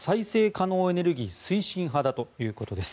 可能エネルギー推進派だということです。